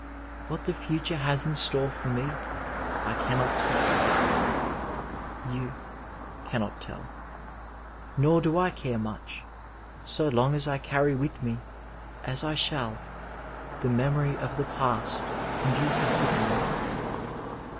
What the future has in store for me, I cannot teU— you cannot tell. Nor do I care much, so long as I carry with me, as I shall, the memory of the past you have given me.